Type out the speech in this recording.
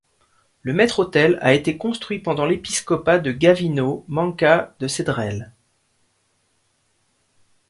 Le maître-autel a été construit pendant l'episcopat de Gavino Manca de Cedrelles.